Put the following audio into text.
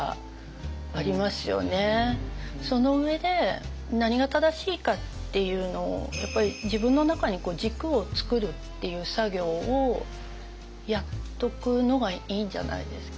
その上で何が正しいかっていうのをやっぱり自分の中に軸をつくるっていう作業をやっとくのがいいんじゃないですかね。